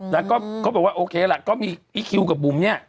แล้วก็เขาบอกว่าโอเคล่ะก็มีอีคิวกับบุ๋มเนี่ย